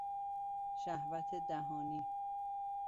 شهوت دهانی